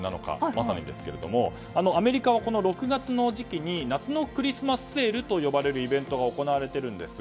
まさにですけれどもアメリカは６月の時期に夏のクリスマスセールと呼ばれるイベントが行われているんです。